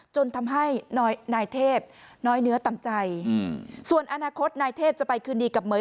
จนทำให้นายเทพน้อยเนื้อต่ำใจส่วนอนาคตนายเทพจะไปคืนดีกับเหม๋ย